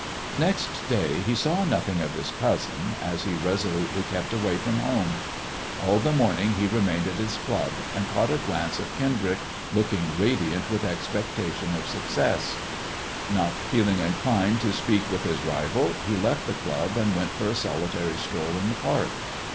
Next day he saw nothing of his cousin, as he resolutely kept away from home. All the morning he remained at his club, and caught a glance of Kendirick looking radiant 188 MISS JONATHAN with expectation of success. Not feeling inclined to speak with his rival, he left the club, and went for a solitary stroll in the Park.